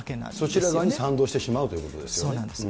そちら側に賛同してしまうとそうなんです。